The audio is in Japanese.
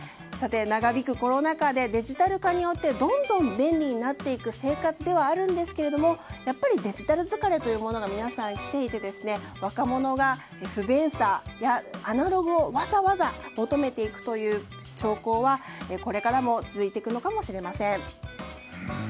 長引くコロナ禍でデジタル化がどんどん便利になっていく生活ではあるんですがやっぱりデジタル疲れというのが皆さんきていて、若者が不便さやアナログをわざわざ求めていくという兆候はこれからも続いていくのかもしれません。